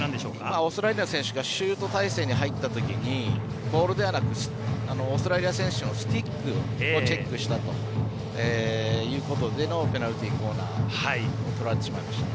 オーストラリアの選手がシュート体勢に入ったときにオーストラリア選手のスティックをチェックしたということでのペナルティーコーナーとられてしまいました。